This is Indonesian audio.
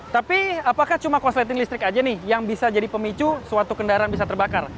tapi apakah cuma korsleting listrik saja yang bisa jadi pemicu suatu kendaraan bisa terbakar